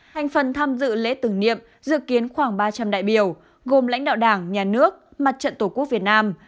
hành phần tham dự lễ tưởng niệm dự kiến khoảng ba trăm linh đại biểu gồm lãnh đạo đảng nhà nước mặt trận tổ quốc việt nam